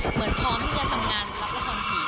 เหมือนคิดว่ามันทำงานละครผี